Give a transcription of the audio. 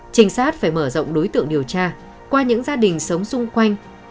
trinh sát phải mở rộng đối tượng điều tra qua những gia đình sống xung quanh